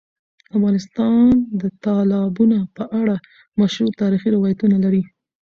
افغانستان د تالابونه په اړه مشهور تاریخی روایتونه لري.